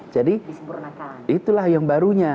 jadi itulah yang barunya